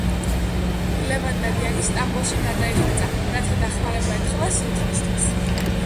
ლევან დადიანი სტამბოლში გადაიხვეწა, რათა დახმარება ეთხოვა სულთნისათვის.